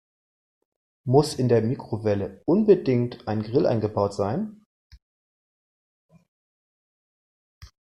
Muss in der Mikrowelle unbedingt ein Grill eingebaut sein?